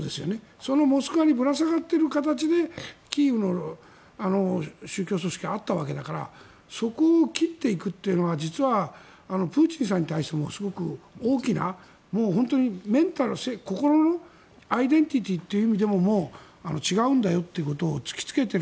そのモスクワにぶら下がっている形でキーウの宗教組織があったわけだからそこを切っていくのはプーチンさんに対してもすごく大きな心のアイデンティティーという部分でも違うんだよということを突き付けている。